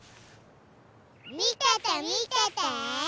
みててみてて！